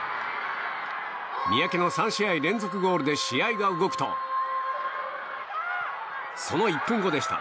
三宅の３試合連続ゴールで試合が動くとその１分後でした。